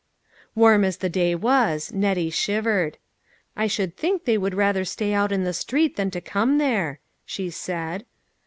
Warm as the day was, Nettie shivered. " I should think they would rather stay out in the street than to come there," she said.